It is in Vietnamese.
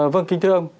vâng kinh thưa ông